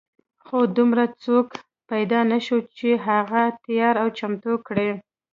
خو دومره څوک پیدا نه شو چې هغه تیار او چمتو کړي.